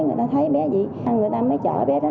người ta thấy bé vậy người ta mới chở bé đó